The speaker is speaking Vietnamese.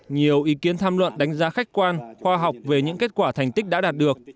nhiều ý kiến tham luận đánh giá khách quan khoa học về những kết quả thành tích đã đạt được